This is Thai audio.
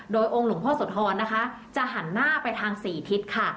โดยองค์หลวงพ่อโสธรนะคะจะหันหน้าไปทางสี่ทิศค่ะ